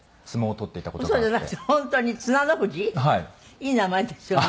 いい名前ですよね。